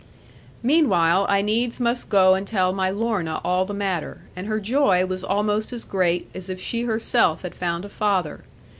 Meanwhile I needs must go and tell my Lorna all the matter; and her joy was almost as great as if she herself had found a father.